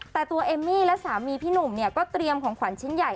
แต่ตัวเอมมี่และสามีพี่หนุ่มเนี่ยก็เตรียมของขวัญชิ้นใหญ่